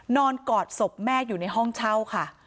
กอดศพแม่อยู่ในห้องเช่าค่ะ